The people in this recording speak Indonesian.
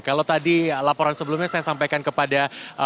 kalau tadi laporan sebelumnya saya sampaikan kepada